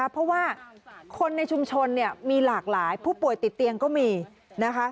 เพราะว่าคนในชุมชนมีหลากหลายผู้ป่วยติดเตียงก็มีนะคะ